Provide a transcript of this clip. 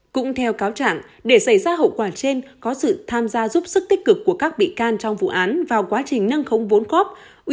cũng theo cáo trạng để xảy ra hậu quả trên có sự tham gia giúp sức tích cực của các bị can trong vụ án vào quá trình nâng khống vốn góp